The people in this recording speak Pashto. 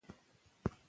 یو د بل وینې څښي.